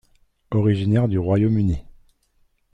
Originaire du Royaume-Uni.